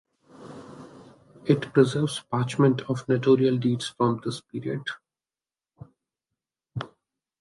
It preserves parchments of notarial deeds from this period.